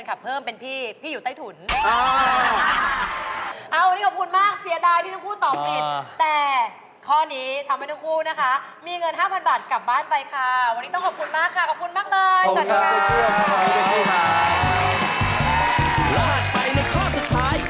ถัดไปในข้อสุดท้าย